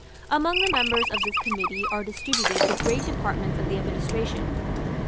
Among the members of this committee are distributed the great departments of the administration.